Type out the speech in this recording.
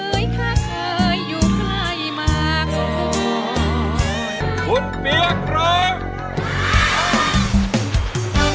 เอามาแชงบ้าน